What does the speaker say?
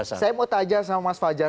saya mau tanya sama mas fajar